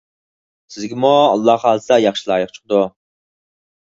سىزگىمۇ ئاللاھ خالىسا ياخشى لايىق چىقىدۇ.